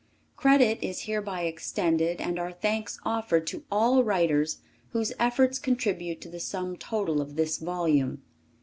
Credit is hereby extended and our thanks offered to all writers whose efforts contribute to the sum total of this volume.